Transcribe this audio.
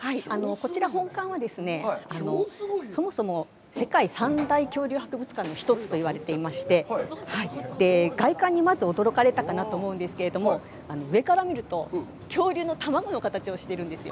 こちら本館はですね、そもそも世界三大恐竜博物館の一つといわれていまして、外観にまず驚かれたかなと思うんですけど、上から見ると、恐竜の卵の形をしているんですよ。